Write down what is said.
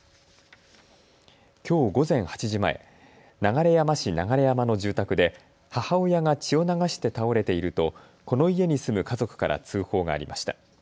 きょう午前８時前、流山市流山の住宅で母親が血を流して倒れているとこの家に住む家族から通報がありました。